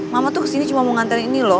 mama tuh kesini cuma mau nganterin ini loh